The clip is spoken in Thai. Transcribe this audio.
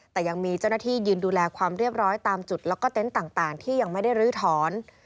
แต่ยังมีเจ้าหน้าที่ยืนดูแลความเรียบร้อยตามจุดแล้วก็เต็นต์ต่างที่ยังไม่ได้ลื้อถอน